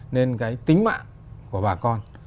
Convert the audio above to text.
nên cái tính mạng của bà con